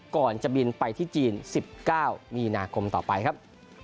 ก่อนจะบินไปที่จีน๑๙มีนาคมต่อไปครับ